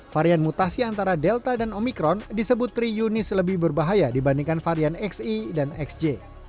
varian mutasi antara delta dan omikron disebut triunis lebih berbahaya dibandingkan varian xe dan xj